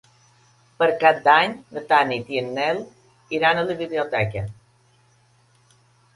Per Cap d'Any na Tanit i en Nel iran a la biblioteca.